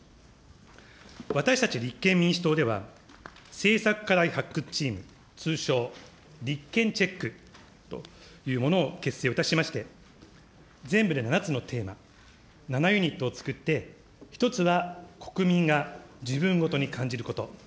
私たち立憲民主党では、政策課題発掘チーム、通称りっけんチェックというものを結成をいたしまして、全部で７つのテーマ、７ユニットを作って、一つは国民が自分事に感じること。